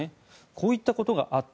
こういったことがあった。